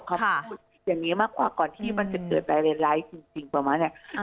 เขาพูดอย่างนี้มากกว่าก่อนที่มันจะเกิดประเด็นร้ายจริงประมาณเนี้ย